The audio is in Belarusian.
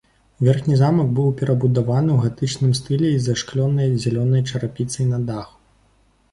Верхні замак быў перабудаваны ў гатычным стылі з зашклёнай зялёнай чарапіцай на даху.